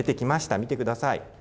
見てください。